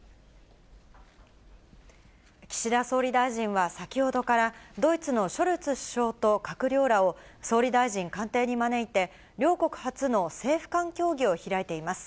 岸田総理大臣は先ほどから、ドイツのショルツ首相と閣僚らを、総理大臣官邸に招いて両国初の政府間協議を開いています。